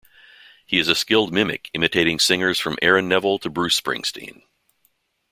He is a skilled mimic, imitating singers from Aaron Neville to Bruce Springsteen.